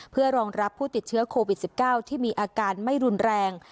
เพื่อรองรับผู้ติดเชื้อโควิด๑๙ที่มีอาการไม่รุนแรง